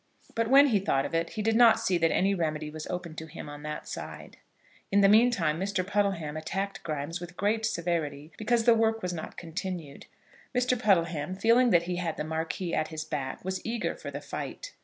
But when he thought of it, he did not see that any remedy was open to him on that side. In the meantime Mr. Puddleham attacked Grimes with great severity because the work was not continued. Mr. Puddleham, feeling that he had the Marquis at his back, was eager for the fight.